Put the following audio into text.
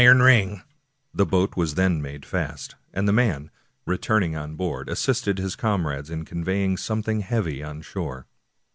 190 Washington Irving ring," The boat was then made fast, and the man, return ing on board, assisted his comrades in conveying something heavy on shore.